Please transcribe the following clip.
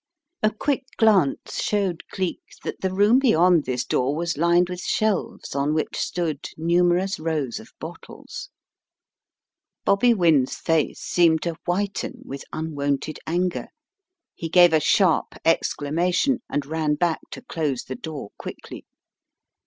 A quick glance showed Cleek that the room beyond this door was lined with shelves on which stood numerous rows of bottles. Bobby Wynne's face seemed to whiten with un wonted anger. He gave a sharp exclamation, and ran back to close the door quickly.